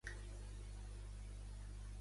Va estudiar a Anglaterra a l'escola Lord Williams.